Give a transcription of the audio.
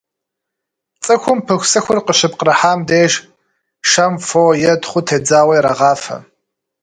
ЦӀыхум пыхусыхур къыщыпкърыхьам деж шэм фо е тхъу тедзауэ ирагъафэ.